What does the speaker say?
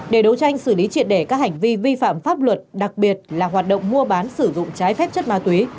để đấu tranh xử lý triệt để các hành vi vi phạm pháp luật đặc biệt là hoạt động mua bán sử dụng trái phép chất ma túy